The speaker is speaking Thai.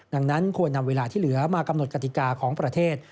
ดังนั้นควรนำเวลาที่เหลือมากำหนดกติกาของประเทศ